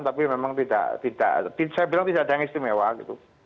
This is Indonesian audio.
tapi memang tidak saya bilang tidak ada yang istimewa gitu